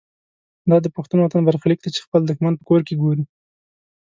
دا د پښتون وطن برخلیک دی چې خپل دښمن په کور کې ګوري.